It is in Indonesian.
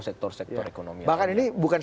sektor sektor ekonomi bahkan ini bukan